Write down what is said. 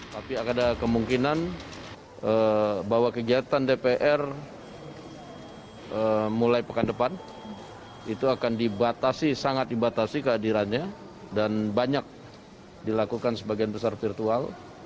tapi ada kemungkinan bahwa kegiatan dpr mulai pekan depan itu akan dibatasi sangat dibatasi kehadirannya dan banyak dilakukan sebagian besar virtual